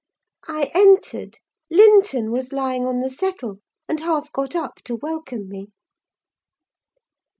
I entered; Linton was lying on the settle, and half got up to welcome me.